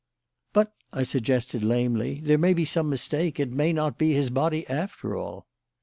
"But," I suggested lamely, "there may be some mistake. It may not be his body after all."